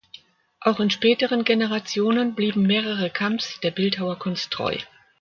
Auch in späteren Generationen blieben mehrere Kamms der Bildhauerkunst treu.